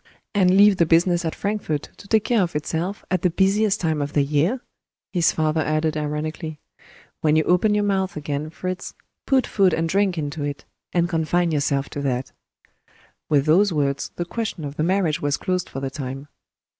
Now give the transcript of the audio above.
"And leave the business at Frankfort to take care of itself, at the busiest time of the year!" his father added ironically. "When you open your mouth again, Fritz, put food and drink into it and confine yourself to that." With those words the question of the marriage was closed for the time.